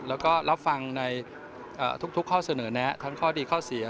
แล้วก็รับฟังในทุกข้อเสนอแนะทั้งข้อดีข้อเสีย